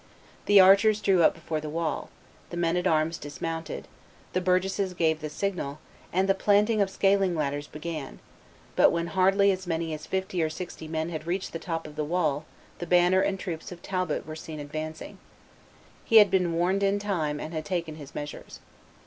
The archers drew up before the wall; the men at arms dismounted; the burgesses gave the signal, and the planting of scaling ladders began; but when hardly as many as fifty or sixty men had reached the top of the wall the banner and troops of Talbot were seen advancing. He had been warned in time and had taken his measures.